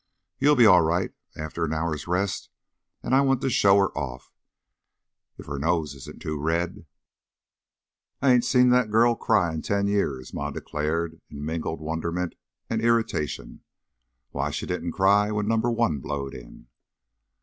"You'll be all right after an hour's rest, and 'I want to show her off, if her nose isn't too red." "I 'ain't seen that girl cry in ten years," Ma declared, in mingled wonderment and irritation. "Why, she didn't cry when Number One blowed in."